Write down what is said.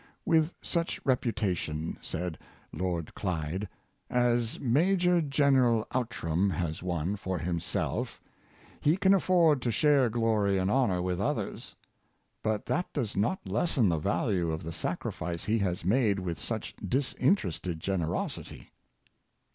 '' With such reputation," said Lord Clyde, " as Major general Outram has won for himself, he can afford to share glory and honor with 31 482 Forbearance of Speech. others. But that does not lessen the value of the sacrifice he has made with such disinterested gen erosity."